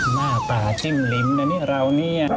หน้าตาจิ้มริมแล้วนี่เรานี่